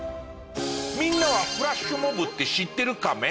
みんなはフラッシュモブって知ってるカメ？